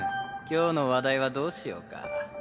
今日の話題はどうしようか。